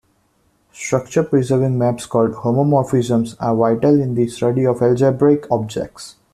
Structure preserving maps called "homomorphisms" are vital in the study of algebraic objects.